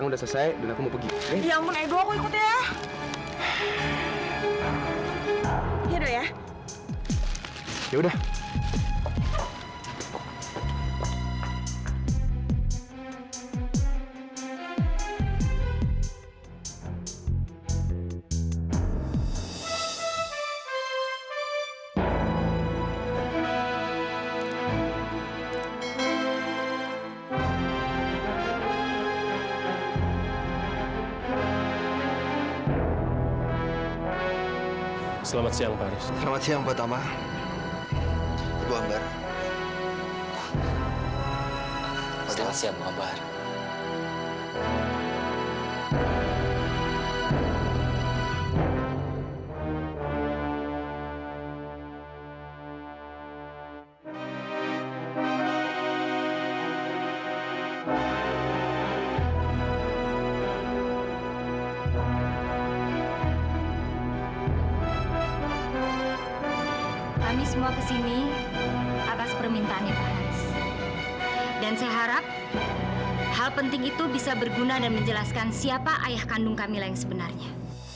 dan saya harap hal penting itu bisa berguna dan menjelaskan siapa ayah kandung kami yang sebenarnya